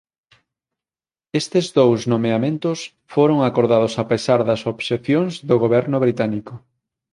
Estes dous nomeamentos foran acordados a pesar das obxeccións do goberno británico.